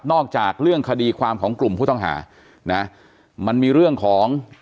อกจากเรื่องคดีความของกลุ่มผู้ต้องหานะมันมีเรื่องของ